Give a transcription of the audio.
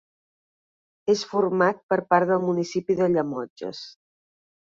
És format per part del municipi de Llemotges.